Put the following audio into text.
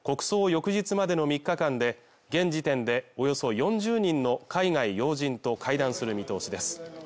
翌日までの３日間で現時点でおよそ４０人の海外要人と会談する見通しです